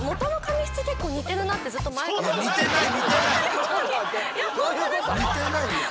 似てないやん。